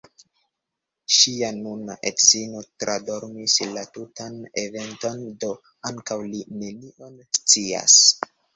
Ŝia nuna edzo tradormis la tutan eventon, do ankaŭ li nenion scias.